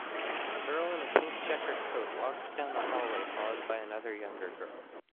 A girl in a pink checkered coat walks down a hallway followed by another younger girl.